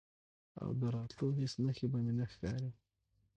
او د راتلو هیڅ نښه به مې نه ښکاري،